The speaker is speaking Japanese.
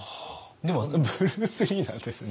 でもブルース・リーなんですね。